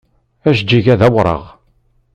Ajeǧǧig-a d awraɣ.